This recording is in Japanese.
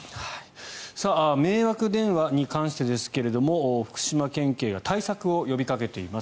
迷惑電話に関してですが福島県警が対策を呼びかけています。